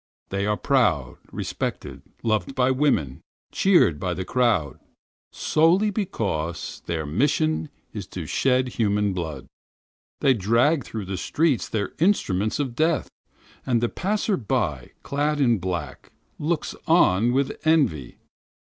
They are proud, respected, loved by women, cheered by the crowd, solely because their mission is to shed human blood; They drag through the streets their instruments of death, that the passer by, clad in black, looks on with envy.